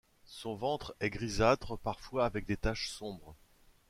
Son ventre est grisâtre parfois avec des taches sombres.